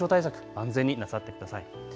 万全になさってください。